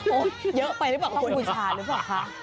โอ๊ยเยอะไปหรือเปล่าคุณผู้ชาญหรือเปล่าค่ะ